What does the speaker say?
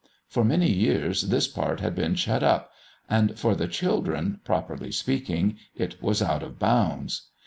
For many years this part had been shut up; and for the children, properly speaking, it was out of bounds.